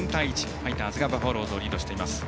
ファイターズがバファローズをリードしています。